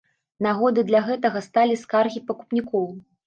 Нагодай для гэтага сталі скаргі пакупнікоў.